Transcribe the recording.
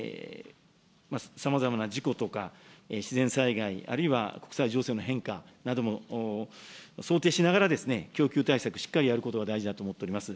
さまざまな事故とか自然災害、あるいは国際情勢の変化なども想定しながら、供給対策、しっかりやることが大事だと思っております。